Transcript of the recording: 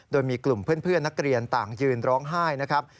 โดยมีกลุ่มเพื่อนนักเรียนต่างยืนร้องไห้นะครับ